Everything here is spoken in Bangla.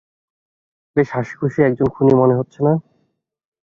বেশ হাসিখুশি একজন খুনি মনে হচ্ছে না?